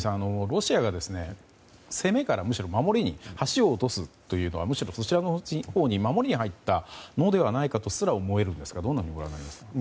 ロシアが攻めから、むしろ守りに橋を落とすというのはむしろ、そちらのほう守りに入ったのではないかとすら思えるんですがどうご覧に見ますか。